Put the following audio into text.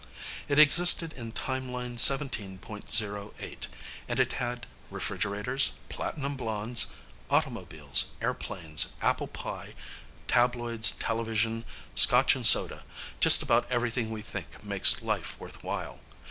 It existed in Timeline Seventeen Point Zero Eight, and it had refrigerators, platinum blondes, automobiles, airplanes, apple pie, tabloids, television, scotch and soda just about everything we think makes life worthwhile.